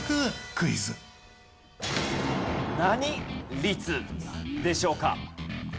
何率でしょうか？